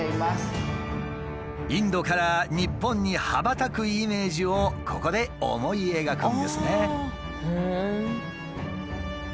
インドから日本に羽ばたくイメージをここで思い描くんですね。